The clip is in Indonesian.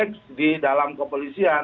x di dalam kepolisian